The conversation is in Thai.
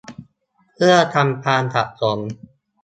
เพื่อกันความสับสน